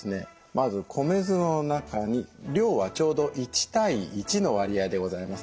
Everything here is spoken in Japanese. まず米酢の中に量はちょうど１対１の割合でございます。